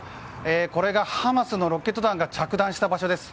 これがハマスのロケット弾が着弾した場所です。